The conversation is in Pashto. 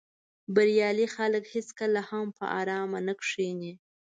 بریالي خلک هېڅکله هم په آرامه نه کیني.